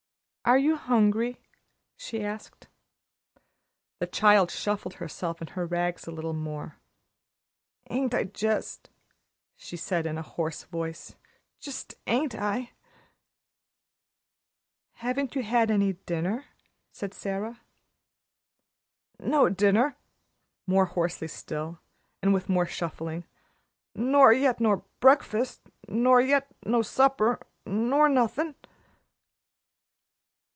"Are you hungry?" she asked. The child shuffled herself and her rags a little more. "Ain't I jist!" she said, in a hoarse voice. "Jist ain't I!" "Haven't you had any dinner?" said Sara. "No dinner," more hoarsely still and with more shuffling, "nor yet no bre'fast nor yet no supper nor nothin'."